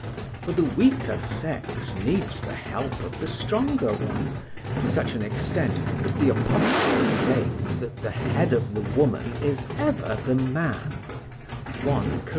For the weaker sex needs the help of the stronger one to such an extent that the apostle proclaimed that the head of the woman is ever the man (I Cor.